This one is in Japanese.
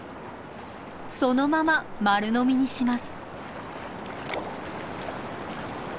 そのまま丸飲みにします。